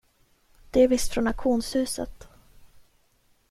Det är visst från auktionshuset.